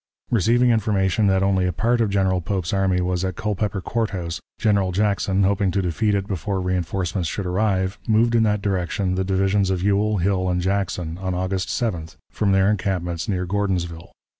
Receiving information that only a part of General Pope's army was at Culpeper Court House, General Jackson, hoping to defeat it before reënforcements should arrive, moved in that direction the divisions of Ewell, Hill, and Jackson, on August 7th, from their encampments near Gordonsville.